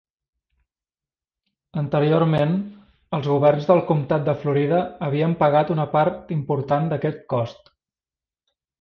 Anteriorment, els governs del comtat de Florida havien pagat una part important d'aquest cost.